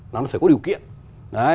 nó phải có điều kiện